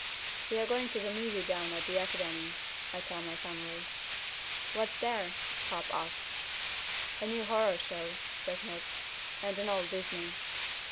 "We're going to a movie down at the Academy," I tell my family. "What's there?" Pop asks. "A new horror show," says Nick. "And an old Disney."